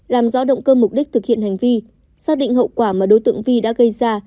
làm rõ động cơ mục đích thực hiện hành vi xác định hậu quả mà đối tượng vi đã gây ra